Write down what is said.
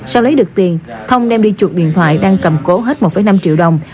sau lấy được tiền thông đem đi chuột điện thoại đang cầm cố hết một năm triệu đồng